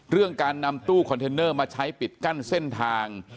เรื่องการนำตู้คอนเทนเนอร์มาใช้ปิดกั้นเส้นทาง